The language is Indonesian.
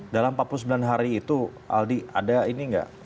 dalam empat puluh sembilan hari itu aldi ada ini nggak